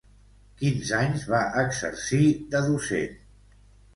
Quins anys va exercir de docent?